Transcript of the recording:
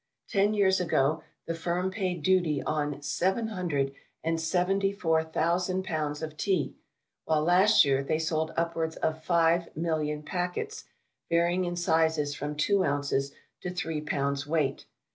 Ten years ago, the Firm paid duty on seven hundred and seventy four thousand pounds of Tea, while last year they sold upwards of five million packets varying in sizes from two ounces to three pounds weight.